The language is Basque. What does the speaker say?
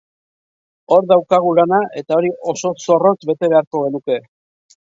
Hor daukagu lana eta hori oso zorrotz bete beharko genuke.